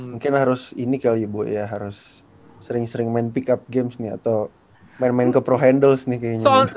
mungkin harus ini kali ya bu ya harus sering sering main pick up games nih atau main main ke pro handles nih kayaknya